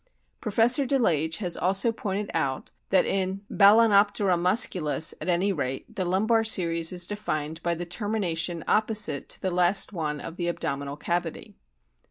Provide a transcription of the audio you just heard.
Professor Delage has also pointed out that in Bal<znop tera umsculus at any rate the lumbar series is defined by the termination opposite to the last one of the' abdominal cavity.